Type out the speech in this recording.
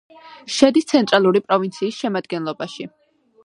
შედის ცენტრალური პროვინციის შემადგენლობაში.